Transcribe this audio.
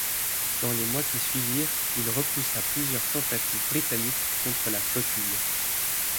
Dans les mois qui suivirent, il repoussa plusieurs tentatives britanniques contre la flottille.